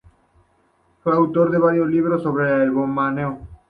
Fue autor de varios libros sobre el bandoneón.